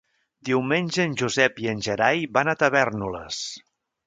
Diumenge en Josep i en Gerai van a Tavèrnoles.